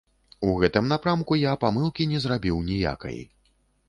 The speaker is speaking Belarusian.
У гэтым напрамку я памылкі не зрабіў ніякай.